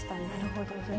なるほど。